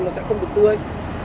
nó sẽ không được tươi